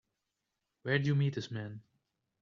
Where'd you meet this man?